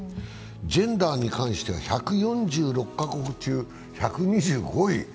ジェンダーに関しては１４６か国中１２５位。